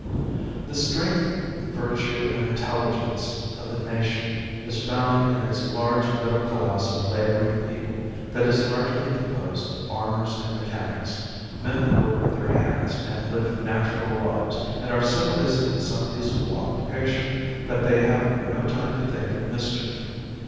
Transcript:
The strength, virtue and intelligence of the nation is found in its large middle class of laboring people that is largely composed of farmers and mechanics, men who work with their hands and live natural lives and are so busy in some useful occupation that they have no time to think of mischief.